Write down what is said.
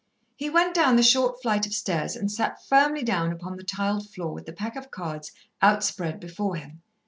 He went down the short flight of stairs and sat firmly down upon the tiled floor with the pack of cards out spread before him.